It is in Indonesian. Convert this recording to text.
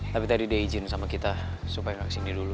tapi tadi dia izin sama kita supaya nggak kesini dulu